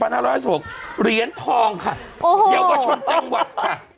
เหรียญทองค่ะโอ้เยาวชนจังหวัดค่ะ